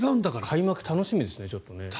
開幕、楽しみですね。